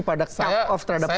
pada cut off terhadap korupsi